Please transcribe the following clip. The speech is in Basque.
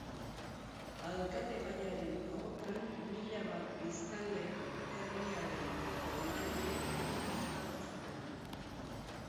Alkategaiaren ahotan, mila bat biztanleko herriaren boto-emaileek hori bozkatu zuten.